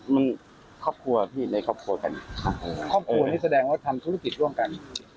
มันครอบครัวพี่ในครอบครัวกัน